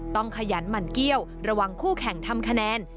ขยันหมั่นเกี้ยวระวังคู่แข่งทำคะแนน